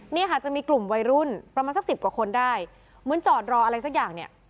เนี่ยค่ะจะมีกลุ่มวัยรุ่นประมาณสักสิบกว่าคนได้เหมือนจอดรออะไรสักอย่างเนี่ย